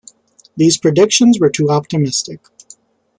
These predictions were too optimistic.